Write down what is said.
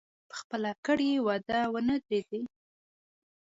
پر خپله کړې وعده ونه درېدی.